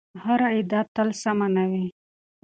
هره ادعا تل سمه نه وي.